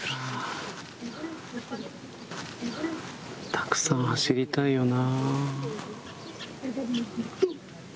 たくさん走りたいよな。